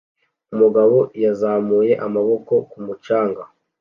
Umugabo yazamuye amaboko ku mucanga